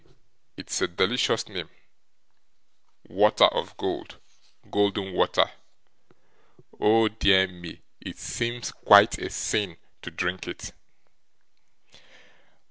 It's a delicious name. Water of gold, golden water! O dear me, it seems quite a sin to drink it!